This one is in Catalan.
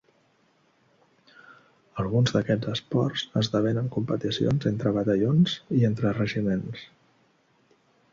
Alguns d'aquests esports esdevenen competicions entre batallons i entre regiments.